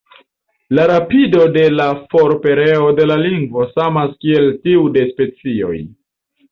La rapido de la forpereo de la lingvo samas kiel tiu de specioj.